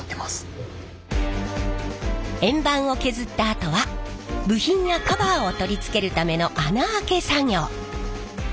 円盤を削ったあとは部品やカバーを取り付けるための穴あけ作業。